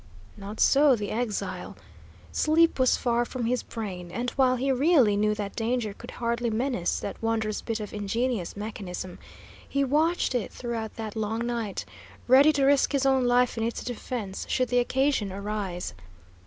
Not so the exile. Sleep was far from his brain, and while he really knew that danger could hardly menace that wondrous bit of ingenious mechanism, he watched it throughout that long night, ready to risk his own life in its defence should the occasion arise.